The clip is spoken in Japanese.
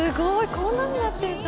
こんなになってるんだ。